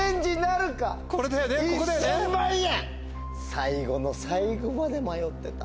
最後の最後まで迷ってた。